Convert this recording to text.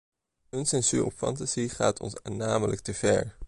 Een censuur op fantasie gaat ons namelijk te ver.